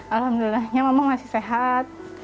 alhamdulillahnya mama masih sehat